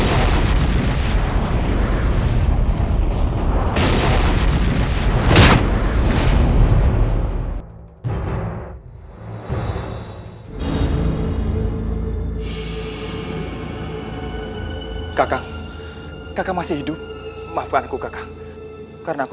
ini lebih mul ferrara denny